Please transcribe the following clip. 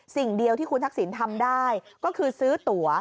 สิ่งเดียวที่คุณทักษิณทำได้ก็คือซื้อตัว